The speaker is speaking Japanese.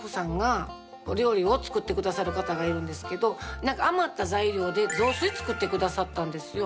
なんか余った材料で雑炊、作ってくださったんですよ。